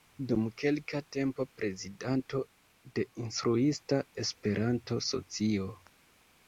Dum kelka tempo prezidanto de Instruista Esperanto-Socio.